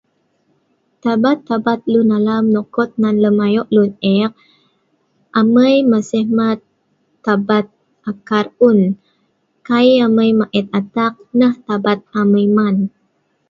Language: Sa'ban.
tabat tabat lun alam nok kot nan lem ayo' lun eek, amai masih mat tabat akar ul, kai amai maet atak' nah tabat amai man